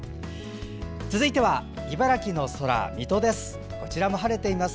続いては茨城の空水戸です。